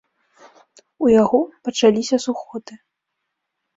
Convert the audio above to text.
У яго пачаліся сухоты.